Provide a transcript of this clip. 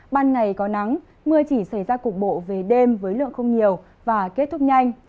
ban ngày có nắng mưa chỉ xảy ra cục bộ về đêm với lượng không nhiều và kết thúc nhanh